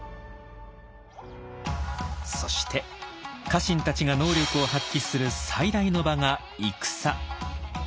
そして家臣たちが能力を発揮する最大の場が戦。